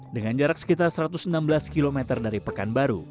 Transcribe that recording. dengan jarak sekitar satu ratus enam belas km dari pekanbaru